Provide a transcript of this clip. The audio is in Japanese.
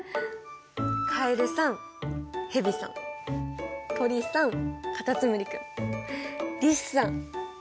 カエルさんヘビさん鳥さんカタツムリ君リスさん。